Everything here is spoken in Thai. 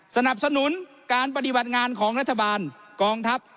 สนับสนุนการปฏิบัติงานของรัฐบาลกองทัพ